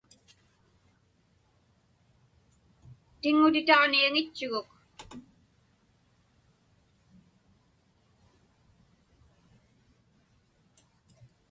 Tiŋŋutitaġniaŋitchuguk.